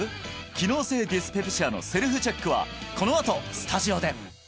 機能性ディスペプシアのセルフチェックはこのあとスタジオで！